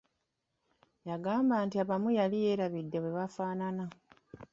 Yagamba nti abamu yali yeerabidde bwe bafaanana.